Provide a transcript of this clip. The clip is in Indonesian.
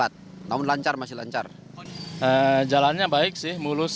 jalan jalannya baik sih mulus